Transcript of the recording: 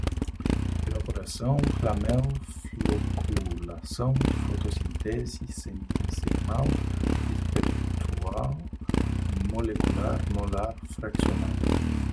evaporação, flamel, floculação, fotossíntese, centesimal, estrutural, molecular, molar, fracionada